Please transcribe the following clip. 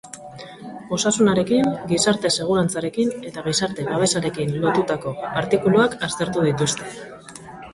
Osasunarekin, gizarte segurantzarekin eta gizarte-babesarekin lotutako artikuluak aztertu dituzte.